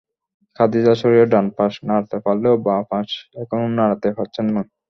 খাদিজা শরীরের ডান পাশ নাড়াতে পারলেও বাঁ পাশ এখনো নাড়াতে পারছেন না।